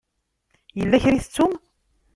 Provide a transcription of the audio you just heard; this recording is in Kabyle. Yella kra i tettum?